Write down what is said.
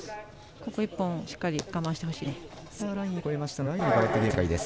ここ１本しっかり我慢してほしいです。